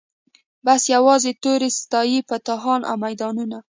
بس یوازي توري ستايی فاتحان او میدانونه